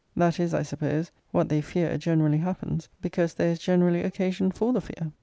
That is, I suppose, what they fear generally happens, because there is generally occasion for the fear.